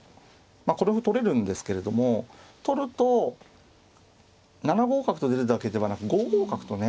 この歩取れるんですけれども取ると７五角と出るだけではなく５五角とね